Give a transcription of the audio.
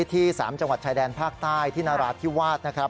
ที่๓จังหวัดชายแดนภาคใต้ที่นราธิวาสนะครับ